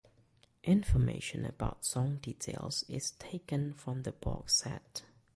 Information about song details is taken from the box set.